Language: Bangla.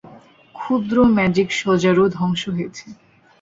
ক্ষুদ্র ম্যাজিক সজারু ধ্বংস হয়েছে।